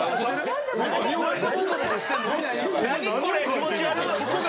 気持ち悪っ！